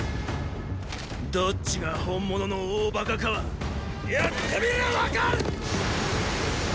どっちが本物の大馬鹿かはやってみりゃ分かる！！